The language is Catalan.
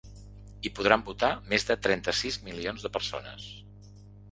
Hi podran votar més de trenta-sis milions de persones.